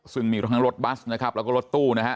ซึ่งมีคลิกทางรถบัสนะครับเราก็รถตู้นะฮะ